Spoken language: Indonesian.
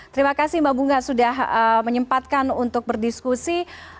terima kasih mbak bunga sudah menyempatkan untuk berdiskusi